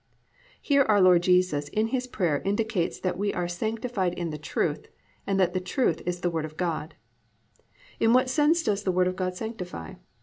"+ Here our Lord Jesus in His prayer indicates that we are sanctified in the truth, and that the truth is the Word of God. In what sense does the Word of God sanctify?